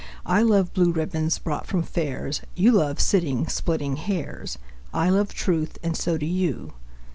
I love blue ribbons brought from fairs; You love sitting splitting hairs. I love truth, and so do you